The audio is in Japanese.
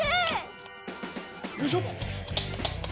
よいしょ！